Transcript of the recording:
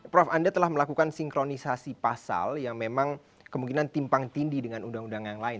prof anda telah melakukan sinkronisasi pasal yang memang kemungkinan timpang tindi dengan undang undang yang lain